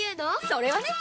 それはね！